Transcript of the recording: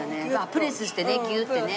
プレスしてねギューッてね。